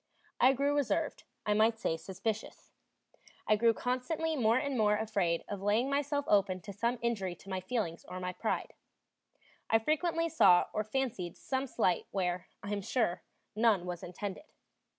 I grew reserved, I might say suspicious. I grew constantly more and more afraid of laying myself open to some injury to my feelings or my pride. I frequently saw or fancied some slight where, I am sure, none was intended.